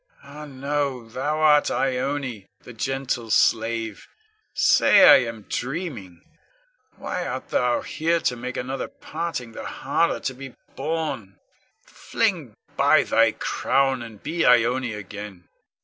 Ah, no! thou art Ione, the gentle slave. Say am I dreaming? Why art thou here to make another parting the harder to be borne? Fling by thy crown and be Ione again.